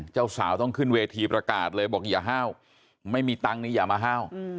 เจ้าสาวต้องขึ้นเวทีประกาศเลยบอกอย่าห้าวไม่มีตังค์นี่อย่ามาห้าว